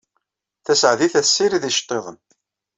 Tasaɛdit at sirrid iceṭṭiḍen.